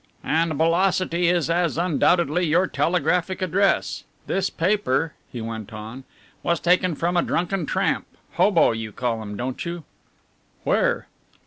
"And 'Belocity' is as undoubtedly your telegraphic address. This paper," he went on, "was taken from a drunken tramp 'hobo' you call 'em, don't you?" "Where?"